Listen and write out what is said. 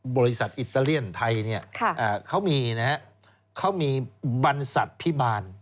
บริษัทอิตาเลียนไทยเขามีบรรษัยพิบาร